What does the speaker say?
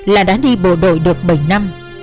là đã đi bộ đội được bảy năm